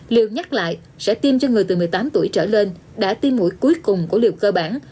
liều nhắc lại sẽ tiêm cho người từ một mươi tám tuổi trở lên đã tiêm mũi cuối cùng của liều cơ bản